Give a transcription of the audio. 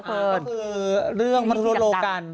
ก็คือเรื่องมัธุโลกัน